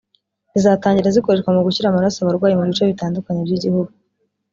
zizatangira zikoreshwa mu gushyira amaraso abarwayi mu bice bitandukanye by’Igihugu